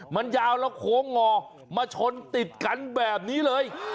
มันยาวแล้วโค้งงอมาชนติดกันแบบนี้เลย